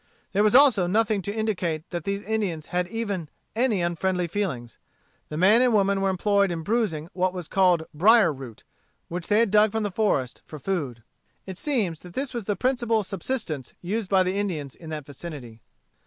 There was also nothing to indicate that these Indians had even any unfriendly feelings. The man and woman were employed in bruising what was called brier root, which they had dug from the forest, for food. It seems that this was the principal subsistence used by the Indians in that vicinity.